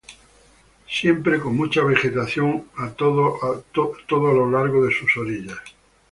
Siempre con mucha vegetación a todo lo largo de sus orillas.